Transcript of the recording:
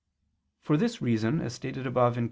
For this reason, as stated above (Q.